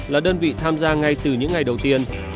là đơn vị tham gia ngay từ những ngày đầu tiên